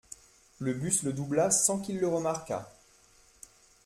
le bus le doubla sans qu’il le remarquât.